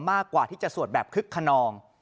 มากกว่าที่จะสวดแบบคึกขนอง